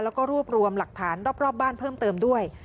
แล้วก็รวบรวมหลักฐานรอบบ้านเพิ่มเติมด้วย